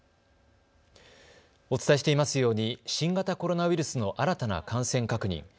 お伝えしていますように新型コロナウイルスの新たな感染確認。